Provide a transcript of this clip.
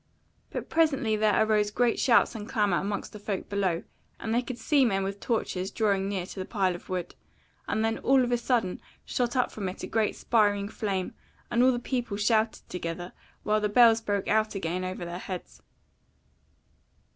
But presently there arose great shouts and clamour amongst the folk below, and they could see men with torches drawing near to the pile of wood, and then all of a sudden shot up from it a great spiring flame, and all the people shouted together, while the bells broke out again over their heads.